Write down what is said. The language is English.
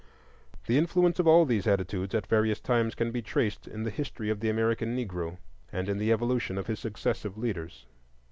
The influence of all of these attitudes at various times can be traced in the history of the American Negro, and in the evolution of his successive leaders.